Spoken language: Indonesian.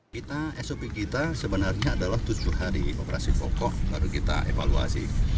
kita sop kita sebenarnya adalah tujuh hari operasi pokok baru kita evaluasi